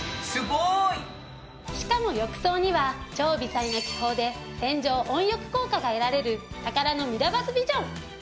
しかも浴槽には超微細な気泡で洗浄・温浴効果が得られるたからのミラバスビジョン。